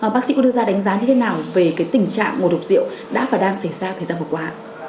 bác sĩ có đưa ra đánh giá như thế nào về tình trạng ngộ độc rượu đã và đang xảy ra thời gian vừa qua